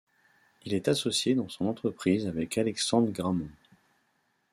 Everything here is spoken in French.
Il est associé dans son entreprise avec Alexandre Grammont.